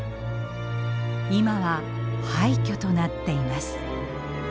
今は廃墟となっています。